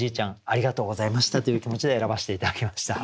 ありがとうございました」という気持ちで選ばせて頂きました。